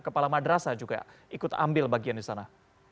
kepala madrasa juga ikut ambil bagian di sana